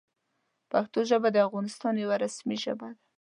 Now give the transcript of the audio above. پښتو ژبه د افغانستان یوه رسمي ژبه ده.